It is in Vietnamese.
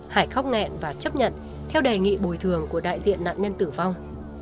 hải khóc nghẹn và chấp nhận theo đề nghị bồi thường của đại diện nạn nhân tử vong